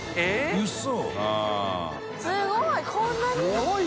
すごい！